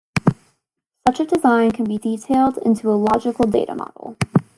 Such a design can be detailed into a logical data model.